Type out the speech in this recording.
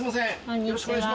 よろしくお願いします。